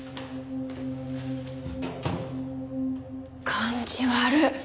感じ悪っ！